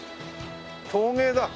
陶芸だ。